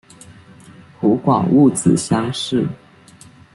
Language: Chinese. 湖广戊子乡试。